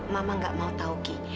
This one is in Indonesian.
mama enggak mau tahu ki